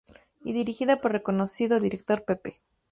Y dirigida por el reconocido director Pepe.